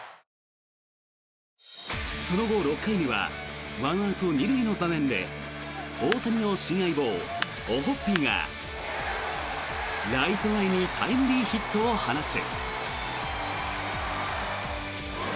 その後、６回には１アウト２塁の場面で大谷の新相棒、オホッピーがライト前にタイムリーヒットを放つ。